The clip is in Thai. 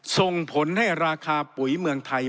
ส่งผลให้ราคาปุ๋ยเมืองไทย